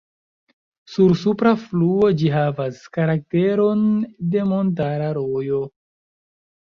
Sur supra fluo ĝi havas karakteron de montara rojo.